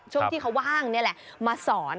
ช่วงที่เขาว่างนี่แหละมาสอน